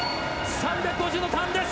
３５０のターンです。